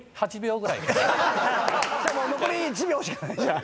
じゃあもう残り１秒しかないじゃん。